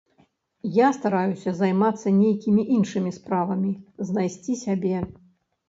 Я стараюся займацца нейкімі іншымі справамі, знайсці сябе.